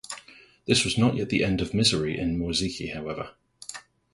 This was not yet the end of misery in Moerzeke however.